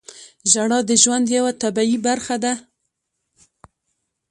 • ژړا د ژوند یوه طبیعي برخه ده.